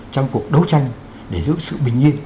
trong cuộc đấu tranh để giữ sự bình yên